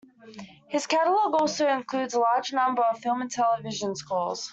His catalogue also includes a large number of film and television scores.